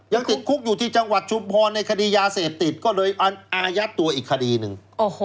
ยังติดคุกอยู่ที่จังหวัดชุมพรในคดียาเสพติดก็เลยอายัดตัวอีกคดีหนึ่ง